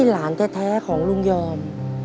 หลานแท้ของลุงยอม